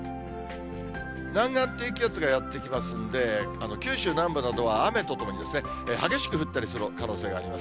南岸低気圧がやって来ますので、九州南部などは雨とともに激しく降ったりする可能性があります。